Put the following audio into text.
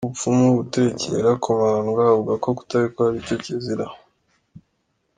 Ubupfumu, guterekera kubandwa…avuga ko kutabikora ari cyo kizira.